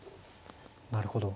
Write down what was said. なるほど。